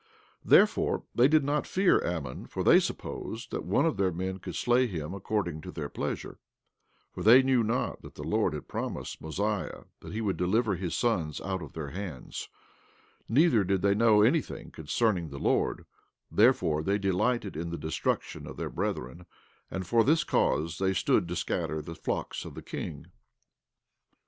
17:35 Therefore they did not fear Ammon, for they supposed that one of their men could slay him according to their pleasure, for they knew not that the Lord had promised Mosiah that he would deliver his sons out of their hands; neither did they know anything concerning the Lord; therefore they delighted in the destruction of their brethren; and for this cause they stood to scatter the flocks of the king.